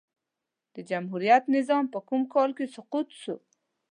د جمهوريت نظام په کوم کال کی سقوط سو؟